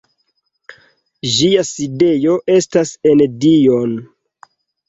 Ĝia sidejo estas en Dijon.